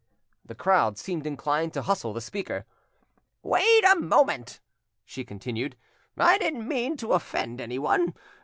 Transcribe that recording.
The crowd seemed inclined to hustle the speaker,— "Wait a moment!" she continued, "I didn't mean to offend anyone.